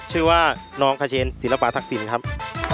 ชื่อว่าน้องขเชนศิลปะทักษิณครับ